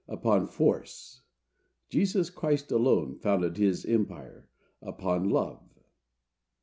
Upon force. Jesus Christ alone founded his empire upon LOVE."